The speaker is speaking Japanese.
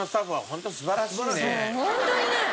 そうホントにね。